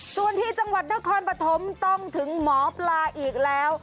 ส่วนที่จังหวัดนครปฐมต้องถึงหมอปลาอีกแล้ว